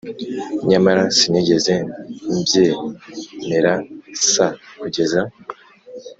Nyamara sinigeze mbyemera s kugeza